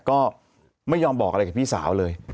ก็ไม่ยอมบอกอะไรกับพี่สาวเลย